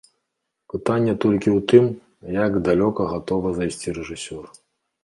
Пытанне толькі ў тым, як далёка гатовы зайсці рэжысёр.